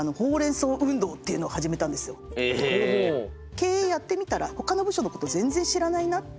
「経営やってみたらほかの部署のこと全然知らないな」っていう。